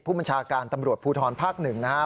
ผู้บัญชาการตำรวจภูทรภาค๑นะครับ